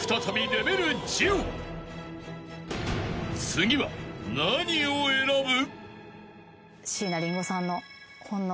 ［次は何を選ぶ？］